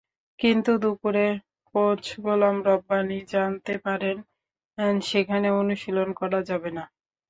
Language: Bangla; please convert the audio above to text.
কিন্তু দুপুরে কোচ গোলাম রব্বানী জানতে পারেন, সেখানে অনুশীলন করা যাবে না।